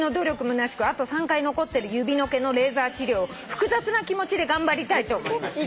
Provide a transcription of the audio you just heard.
むなしくあと３回残ってる指の毛のレーザー治療を複雑な気持ちで頑張りたいと思います」